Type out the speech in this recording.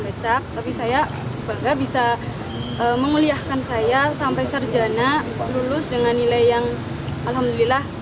becak tapi saya bangga bisa menguliahkan saya sampai sarjana lulus dengan nilai yang alhamdulillah